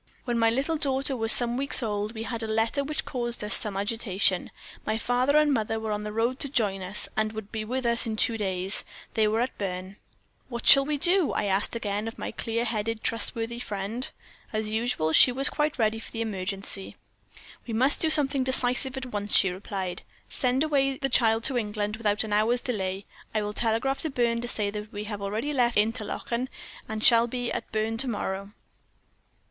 When my little daughter was some weeks old, we had a letter which caused us some agitation; my father and mother were on the road to join us, and would be with us in two days. They were then at Berne. "What shall we do?" I asked again of my clear headed, trustworthy friend. "As usual, she was quite ready for the emergency. "'We must do something decisive at once,' she replied; 'send away the child to England without an hour's delay. I will telegraph to Berne to say that we have already left Interlachen, and shall be at Berne to morrow.'